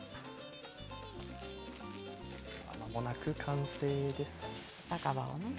まもなく完成です。